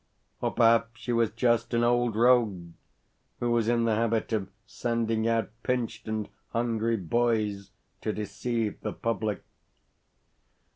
Or perhaps she was just an old rogue who was in the habit of sending out pinched and hungry boys to deceive the public?